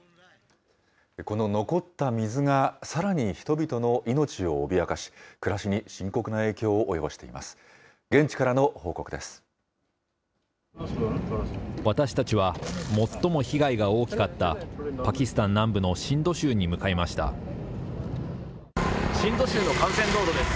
この残った水が、さらに人々の命を脅かし、暮らしに深刻な影響を及ぼしています。